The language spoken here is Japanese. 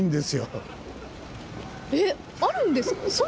えっあるんです？